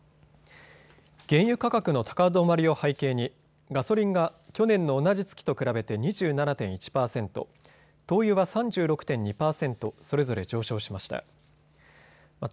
原油価格の高止まりを背景にガソリンが去年の同じ月と比べて２７．１％、灯油は３６．２％それぞれ上昇しました。